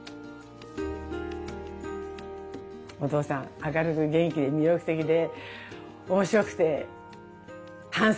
お父さん明るく元気で魅力的で面白くてハンサムで。